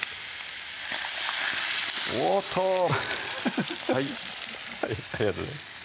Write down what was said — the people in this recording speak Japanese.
おっとはいはいありがとうございます